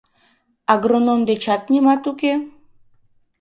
— Агроном дечат нимат уке?